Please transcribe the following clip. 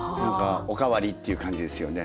お代わりっていう感じですよね。